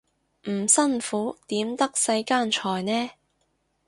唔辛苦點得世間財呢